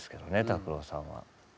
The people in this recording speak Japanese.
拓郎さんは。